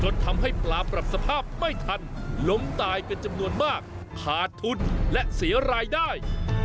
ทำให้ปลาปรับสภาพไม่ทันล้มตายเป็นจำนวนมากขาดทุนและเสียรายได้